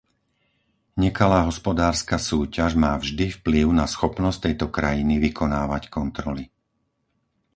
Nekalá hospodárska súťaž má vždy vplyv na schopnosť tejto krajiny vykonávať kontroly.